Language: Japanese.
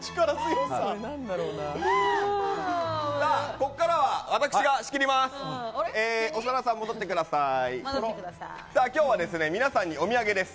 ここからは私が仕切ります。